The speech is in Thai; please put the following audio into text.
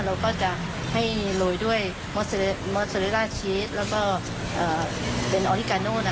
เราก็จะโดยด้วยมอเซเลลล่าชีสเป็นออลิกานูว์นะคะ